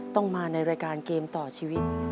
ต้องมาในรายการเกมต่อชีวิต